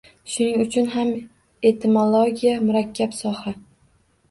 Shuning uchun ham etimologiya – murakkab soha.